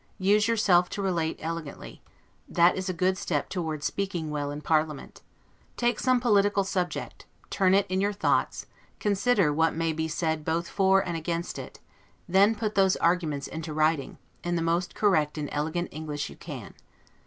Use yourself to relate elegantly; that is a good step toward speaking well in parliament. Take some political subject, turn it in your thoughts, consider what may be said both for and against it, then put those arguments into writing, in the most correct and elegant English you can.